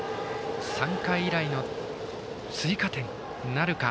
３回以来の追加点なるか。